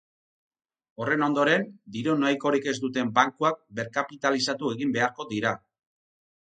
Horren ondoren, diru nahikorik ez duten bankuak berkapitalizatu egin beharko dira.